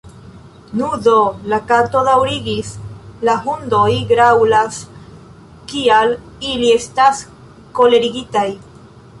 "Nu do," la Kato daŭrigis, "la hundoj graŭlas kiam ili estas kolerigitaj.